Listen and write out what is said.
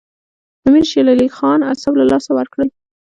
امیر شېر علي خان اعصاب له لاسه ورکړل.